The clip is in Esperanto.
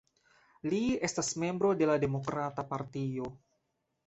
Li estas membro de la Demokrata partio.